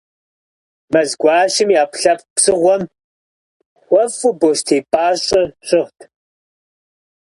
Мэзгуащэм, и ӏэпкълъэпкъ псыгъуэм хуэфӏу бостей пӏащӏэ щыгът.